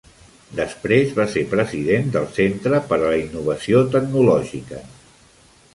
Després va ser president del Centre per a la Innovació Tecnològica.